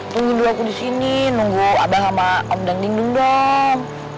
tungguin dulu aku di sini nunggu abah sama om dangding dungdom